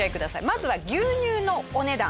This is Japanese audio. まずは牛乳のお値段。